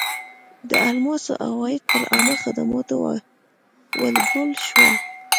د الماسو عواید پر عامه خدماتو ولګول شول.